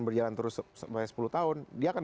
berjalan terus sampai sepuluh tahun dia akan